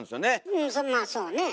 うんまあそうね。